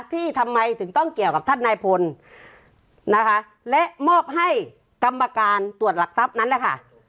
ทำไมถึงต้องเกี่ยวกับท่านนายพลนะคะและมอบให้กรรมการตรวจหลักทรัพย์นั้นแหละค่ะ